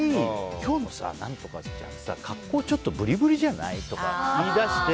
今日もさ、何とかちゃんさ格好ブリブリじゃない？とか言い出して。